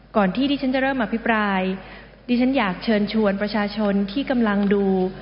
ก่อนที่ที่ฉันจะเริ่มอภิปรายดิฉันอยากเชิญชวนประชาชนที่กำลังดู